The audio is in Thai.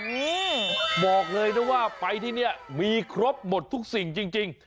นี่บอกเลยนะว่าไปที่นี่มีครบหมดทุกสิ่งจริง